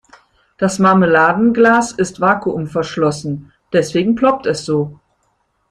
Das Marmeladenglas ist vakuumverschlossen, deswegen ploppt es so.